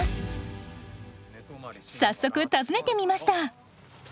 早速訪ねてみました。